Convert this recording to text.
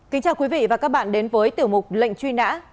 kính chào quý vị và các bạn đến với tiểu mục lệnh truy nã